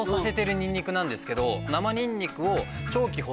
生ニンニクを。